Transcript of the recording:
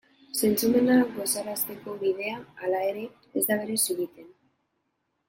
Zentzumenak gozarazteko bidea, halere, ez da berez egiten.